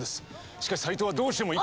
しかし斎藤はどうしても行く。